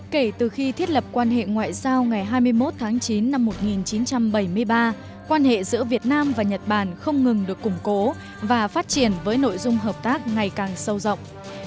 kể từ khi thiết lập quan hệ ngoại giao ngày hai mươi một tháng chín năm một nghìn chín trăm bảy mươi ba quan hệ giữa việt nam và nhật bản không ngừng được củng cố và phát triển với nội dung hợp tác ngày càng sâu rộng